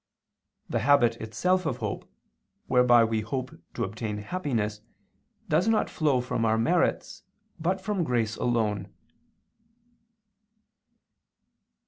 The habit itself of hope, whereby we hope to obtain happiness, does not flow from our merits, but from grace alone.